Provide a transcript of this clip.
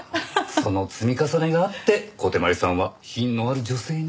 その積み重ねがあって小手鞠さんは品のある女性に。